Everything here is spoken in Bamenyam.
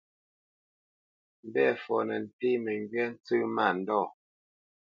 Mbɛ̂fɔ nə́ ntéé məŋgywá ntsə́ mándɔ̂.